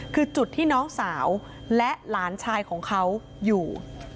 คือจุดที่น้องสาวและหลานชายของเขาอยู่